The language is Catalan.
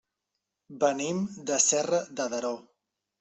Venim de Serra de Daró.